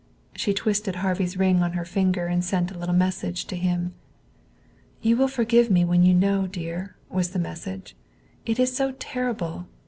She twisted Harvey's ring on her finger and sent a little message to him. "You will forgive me when you know, dear," was the message. "It is so terrible!